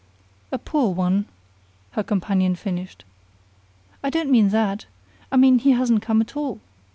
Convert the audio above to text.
"A poor one," her companion finished. "I don't mean that! I mean he hasn't come at all.